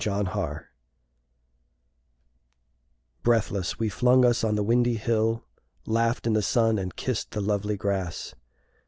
The Hill Breathless, we flung us on the windy hill, Laughed in the sun, and kissed the lovely grass.